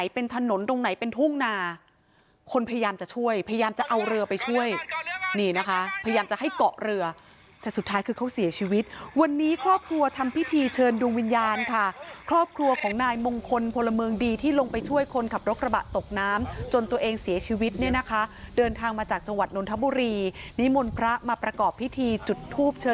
เป็นถนนตรงไหนเป็นทุ่งนาคนพยายามจะช่วยพยายามจะเอาเรือไปช่วยนี่นะคะพยายามจะให้เกาะเรือแต่สุดท้ายคือเขาเสียชีวิตวันนี้ครอบครัวทำพิธีเชิญดวงวิญญาณค่ะครอบครัวของนายมงคลพลเมืองดีที่ลงไปช่วยคนขับรถกระบะตกน้ำจนตัวเองเสียชีวิตเนี่ยนะคะเดินทางมาจากจังหวัดนนทบุรีนิมนต์พระมาประกอบพิธีจุดทูป